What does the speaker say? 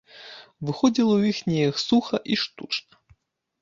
Выходзіла ў іх неяк суха і штучна.